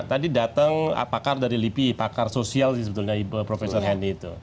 tadi datang pakar dari lipi pakar sosial sih sebetulnya profesor hendi itu